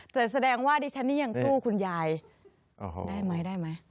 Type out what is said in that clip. แต่แสดงว่าดิฉันนี่ยังสู้คุณยายได้ไหมได้ไหม